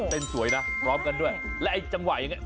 เต้นสวยนะพร้อมกันด้วยแล้วไอ้จังหวะอย่างเงี้